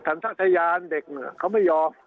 แต่สันทะทะยานเด็กเขาไม่ยอม